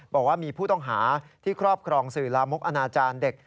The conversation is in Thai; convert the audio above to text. บอกว่ามีผู้ต้องหาที่ครอบครองสื่อลามกอนาจารย์เด็ก